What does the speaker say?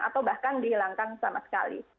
atau bahkan dihilangkan sama sekali